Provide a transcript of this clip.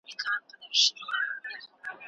دا د ماشوم ذهن پراخوي.